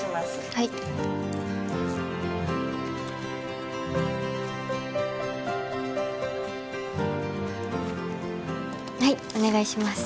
はいはいお願いします